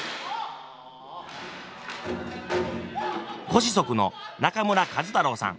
ご子息の中村壱太郎さん。